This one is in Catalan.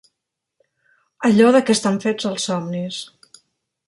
Allò de que estan fets els somnis